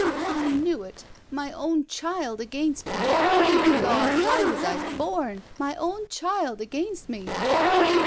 "I knew it. My own child against me. O God! Why was I bom? My own child against me!"